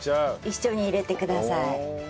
一緒に入れてください。